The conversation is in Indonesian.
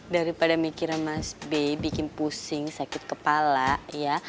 daripada mikiran mas b bikin pusing sakit kepala ya